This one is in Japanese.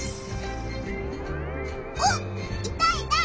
おっいたいた！